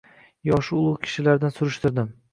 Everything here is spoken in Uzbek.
yoshi ulug’ kishilardan surishtirdim.